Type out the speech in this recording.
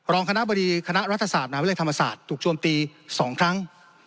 รองคณะบดีคณะรัฐศาสตร์มหาวิทยาลัยธรรมศาสตร์ถูกโจมตี๒ครั้ง